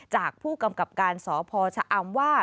จากผู้กำกับการสพชะอำว่า